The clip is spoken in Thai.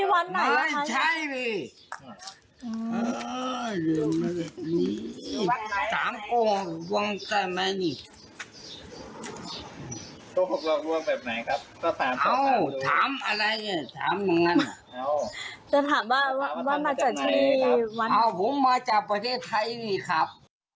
แต่ถามว่าว่าวันมาจากที่วันเอาผมมาจากประเทศไทยแหวนมาครับ